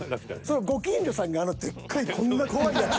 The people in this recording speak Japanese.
ご近所さんにあのでっかいこんな怖いやつ。